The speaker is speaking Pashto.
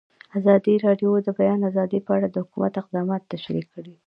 ازادي راډیو د د بیان آزادي په اړه د حکومت اقدامات تشریح کړي.